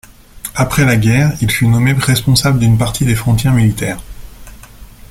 Après la guerre, il fut nommé responsable d'une partie des frontières militaires.